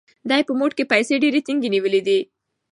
ده په موټ کې پیسې ډېرې ټینګې نیولې وې.